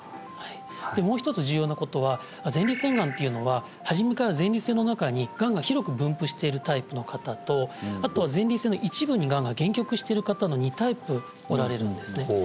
もう一つ重要なことは前立腺がんというのは初めから前立腺の中にがんが広く分布しているタイプの方とあとは前立腺の一部にがんが限局している方の２タイプおられるんですね